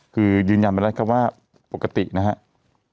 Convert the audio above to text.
คือยืนยันเป็นอะไรครับว่าปกตินะครับ